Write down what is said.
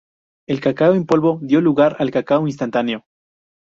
El cacao en polvo dio lugar al cacao instantáneo.